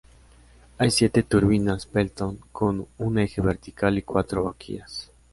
Hay siete turbinas Pelton con un eje vertical y cuatro boquillas.